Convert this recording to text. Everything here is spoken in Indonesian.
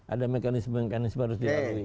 ada mekanisme mekanisme harus dilalui